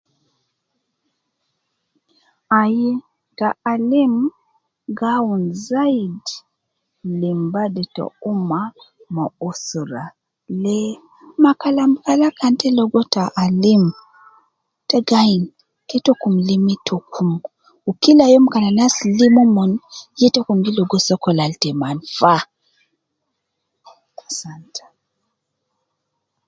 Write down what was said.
Ai, ta alim gi awun zaidi lim badu ta umma ma usra, le, ma kalam kala kan ta ligo ta alim, ta gi ayin ,ke takum lim itakum, kila youm kan anas lim omon ,ye tokum gi ligo sokol al te manfa, asanta